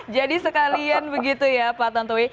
jadi sekalian begitu ya pak tantowi